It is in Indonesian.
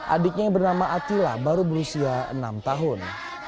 adiknya yang bernama atila baru berusia enam tahun